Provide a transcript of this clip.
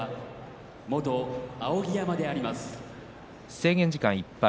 制限時間いっぱい。